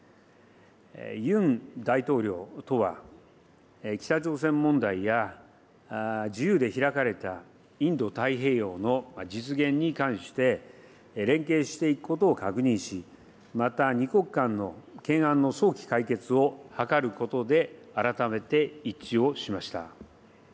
ユン大統領とは、北朝鮮問題や、自由で開かれたインド太平洋の実現に関して連携していくことを確認し、また２国間の懸案の早期解決を図ることで改めて一致をしました。